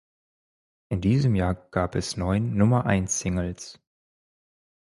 In diesem Jahr gab es neun Nummer-eins-Singles.